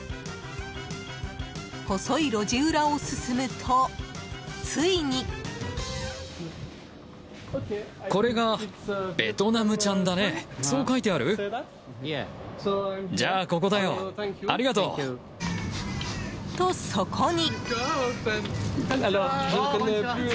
細い路地裏を進むと、ついに。と、そこに。